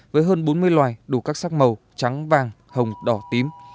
với hơn bốn mươi loài đủ các sắc màu trắng vàng hồng đỏ tím